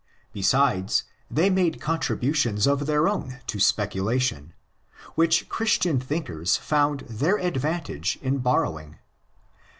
Besides, they made contributions of their own to speculation, which Christian thinkers found their advantage in borrowing.